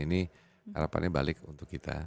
ini harapannya balik untuk kita